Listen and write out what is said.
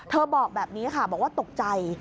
บอกแบบนี้ค่ะบอกว่าตกใจ